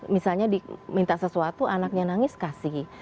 misalnya diminta sesuatu anaknya nangis kasih